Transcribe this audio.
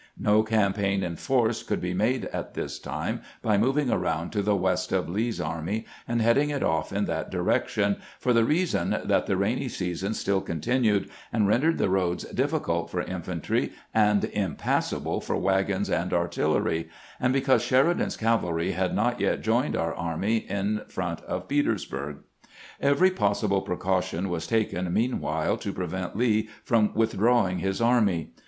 No campaign in force could be made at this time by moving around to the west of Lee's army and heading it off in that direction, for the reason that the rainy season still continued, and ren dered the roads difficult for infantry and impassable for wagons and artillery, and because Sheridan's cavalry had not yet joined our army in front of Petersburg. Every possible precaution was taken meanwhile to pre vent Lee from withdrawing his army.